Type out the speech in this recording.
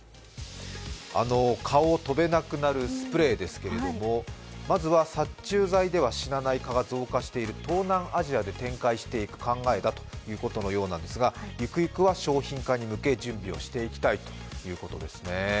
蚊が飛べなくなるスプレーですが、まずは殺虫剤では死なない蚊が増加している東南アジアで展開していく考えだということのようですが、ゆくゆくは商品化に向け、準備をしていきたいということですね。